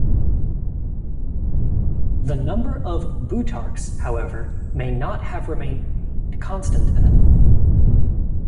The number of Boeotarchs, however, may not have remained constant at seven.